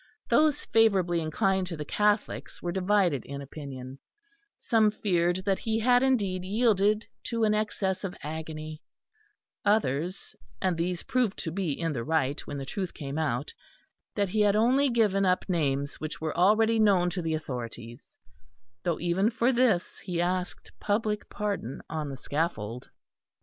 Those favourably inclined to the Catholics were divided in opinion; some feared that he had indeed yielded to an excess of agony; others, and these proved to be in the right when the truth came out, that he had only given up names which were already known to the authorities; though even for this he asked public pardon on the scaffold.